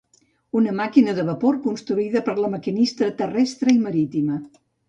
Una màquina de vapor construïda per la Maquinista Terrestre i Marítima.